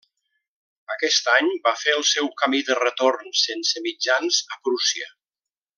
Aquest any, va fer el seu camí de retorn, sense mitjans, a Prússia.